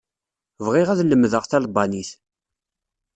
Bɣiɣ ad lemdeɣ talbanit.